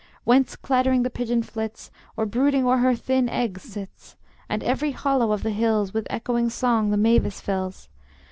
Whence clattering the pigeon flits, Or brooding o'er her thin eggs sits, And every hollow of the hills With echoing song the mavis fills.